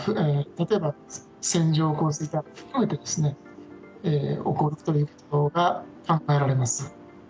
例えば、線状降水帯も含めて起こるというところが考えられます。